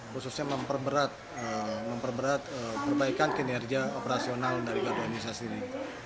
khususnya memperberat perbaikan kinerja operasional dari kartu indonesia sendiri